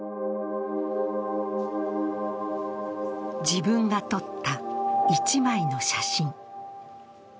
自分が撮った一枚の写真。